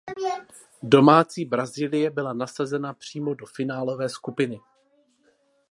Domácí Brazílie byla nasazena přímo do finálové skupiny.